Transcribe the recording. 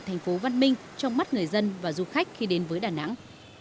hãy đăng ký kênh để ủng hộ thành phố văn minh trong mắt người dân và du khách khi đến với đà nẵng